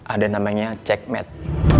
ada namanya checkmate